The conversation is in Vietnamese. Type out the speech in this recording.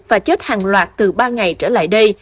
và chết hàng loạt từ ba ngày trở lại đây